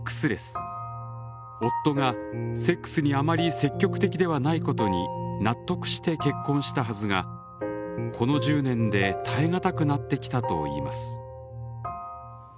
夫がセックスにあまり積極的ではないことに納得して結婚したはずがこの１０年で耐え難くなってきたといいます。